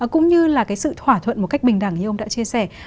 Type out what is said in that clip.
cũng như là cái sự thỏa thuận một cách bình đẳng như ông đã chia sẻ